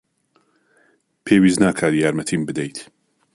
پێویست ناکات یارمەتیم بدەیت.